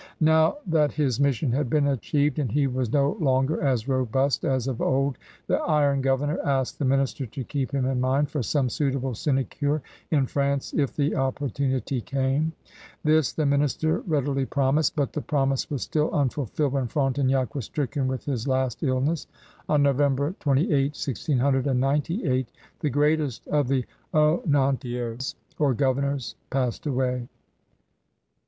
Now that his mission had been achieved and he was no longer as robust as of old, the Iron Gover nor asked the minister to keep him in mind for some suitable sinecure in France if the opportu nity came. This the minister readily promised, but the promise was still unfulfilled when Fronte nac was stricken with his last illness. On Novem ber 28, 1698, the greatest of the Onontios, or governors, passed away.